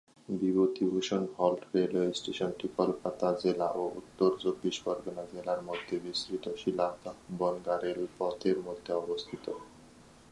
Bibhutibhushan halt railway স্টেশনটি কলকাতা জেলা ও উত্তর চব্বিশ পরগণা জেলার মধ্যে বিস্তৃত শিয়ালদহ বনগাঁ রেলপথের মধ্যে অবস্থিত।